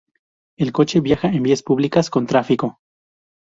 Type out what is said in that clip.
El coche viaja en vías públicas, con tráfico.